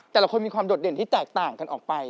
แต่ละคนมีความโดดเด่นที่แตกต่างกันออกไป